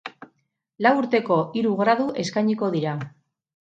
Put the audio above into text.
Lau urteko hiru gradu eskainiko dira.